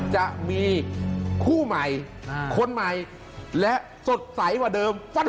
จะมีคู่ใหม่คนใหม่และสดใสกว่าเดิม